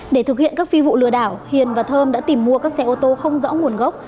để thực hiện các phi vụ lừa đảo hiền và thơm đã tìm mua các xe ô tô không rõ nguồn gốc